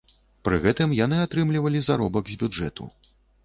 Пры гэтым яны атрымлівалі заробак з бюджэту.